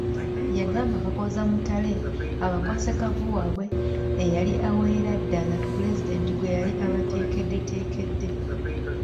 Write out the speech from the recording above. Yagamba Kakooza Mutale abakwase Kavvu waabwe eyali awerera ddala Pulezidenti gwe yali abateekeddeteekedde.